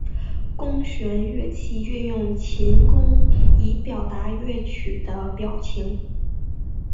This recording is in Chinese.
弓弦乐器运用琴弓以表达乐曲的表情。